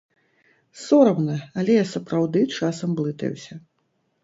Сорамна, але я сапраўды часам блытаюся.